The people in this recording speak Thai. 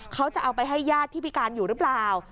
เขาจะเอาไปให้ญาติที่พิการอยู่หรือเปล่า